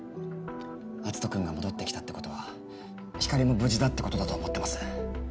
篤斗君が戻って来たってことは光莉も無事だってことだと思ってます。